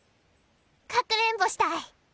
かくれんぼしたい！